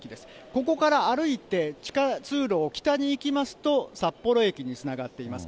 ここから歩いて地下通路を北に行きますと、札幌駅につながっています。